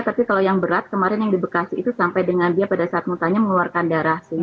tapi kalau yang berat kemarin yang di bekasi itu sampai dengan dia pada saat muntahnya mengeluarkan darah